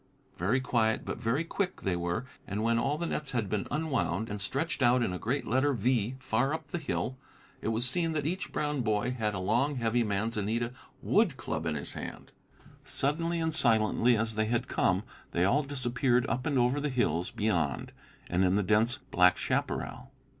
Very quiet but very quick they were, and when all the nets had been unwound and stretched out in a great letter V far up the hill, it was seen that each brown boy had a long, heavy manzanita wood club in his hand. Suddenly and silently as they had come they all disappeared up and over the hills beyond, and in the dense black chaparral.